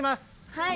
はい。